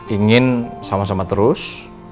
ingin sama sama terus